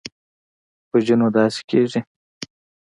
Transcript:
پوجي نو داسې کېږي.